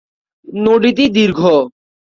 নদীটি দীর্ঘ।